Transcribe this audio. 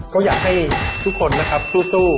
ก็อยากให้ทุกคนนะครับสู้